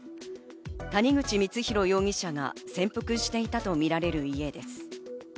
谷口光弘容疑者が潜伏していたとみられる家です。